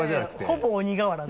ほぼ鬼瓦の。